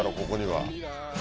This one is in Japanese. ここには。